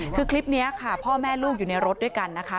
คือคลิปนี้ค่ะพ่อแม่ลูกอยู่ในรถด้วยกันนะคะ